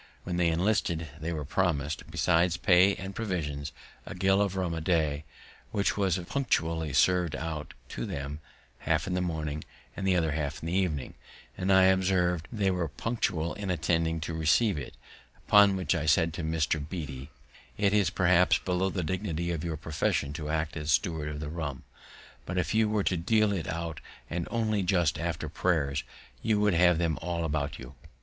When they enlisted, they were promised, besides pay and provisions, a gill of rum a day, which was punctually serv'd out to them, half in the morning, and the other half in the evening; and I observed they were as punctual in attending to receive it; upon which I said to Mr. Beatty, "It is, perhaps, below the dignity of your profession to act as steward of the rum, but if you were to deal it out and only just after prayers, you would have them all about you."